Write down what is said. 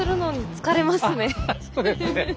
あっそうですね